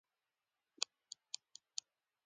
کېله د ستړیا ضد ماده لري.